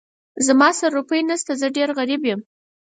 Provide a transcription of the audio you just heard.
زما سره روپۍ نه شته، زه ډېر غريب يم.